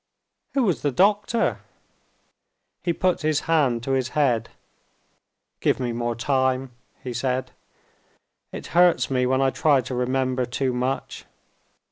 "Who was the doctor?" He put his hand to his head, "Give me more time," he said. "It hurts me when I try to remember too much.